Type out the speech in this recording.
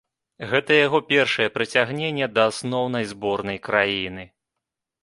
Гэта яго першае прыцягненне да асноўнай зборнай краіны.